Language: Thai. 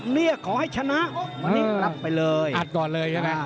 เนี่ยขอให้ชนะนี่รับไปเลยอัดก่อนเลยใช่ไหมอ่า